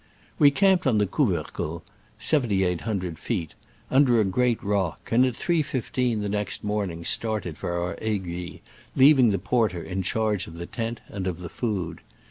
We camped on the Couvercle (sev enty eight hundred feet) under a great rock, and at 3. 1 5 the next morning start ed for our aiguille, leaving the porter in charge of the tent and of the food.